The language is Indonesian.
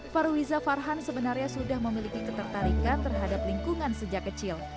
faruliza farhan sebenarnya sudah memiliki ketertarikan terhadap lingkungan sejak kecil